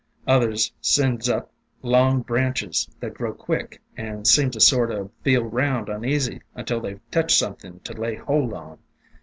Others sends up long branches that grow quick and seem to sort o' feel round uneasy until they touch something to lay hold on.